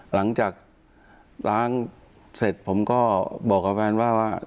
หลังจากล้างเสร็จผมก็บอกอาวุธ์แฟนก่อนว่า